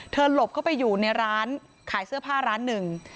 หลบเข้าไปอยู่ในร้านขายเสื้อผ้าร้านหนึ่ง